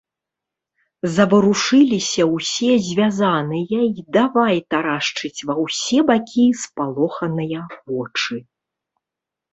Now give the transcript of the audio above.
Заварушыліся ўсе звязаныя і давай тарашчыць ва ўсе бакі спалоханыя вочы.